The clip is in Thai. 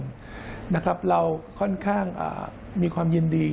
สำหรับเราค่อนข้างมีความยินดี